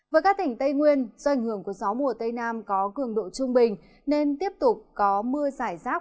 với các tỉnh tây nguyên do ảnh hưởng của gió mùa tây nam có cường độ trung bình nên tiếp tục có mưa giải rác